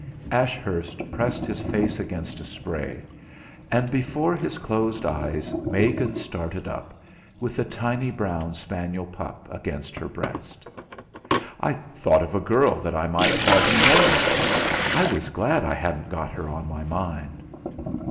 Ashurst pressed his face against a spray; and before his closed eyes Megan started up, with the tiny brown spaniel pup against her breast. "I thought of a girl that I might have you know. I was glad I hadn't got her on my mind!"